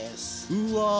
うわ。